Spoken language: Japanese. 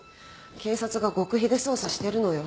警察が極秘で捜査してるのよ。